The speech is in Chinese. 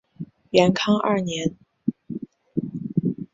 元康二年。